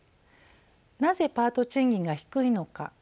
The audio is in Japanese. なぜパート賃金が低いのか。